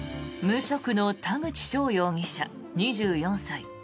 無職の田口翔容疑者、２４歳。